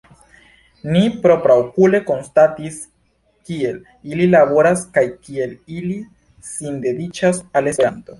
Ni propraokule konstatis kiel ili laboras kaj kiel ili sindediĉas al Esperanto.